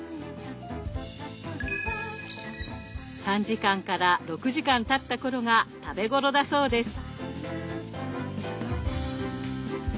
３時間から６時間たった頃が食べ頃だそうです。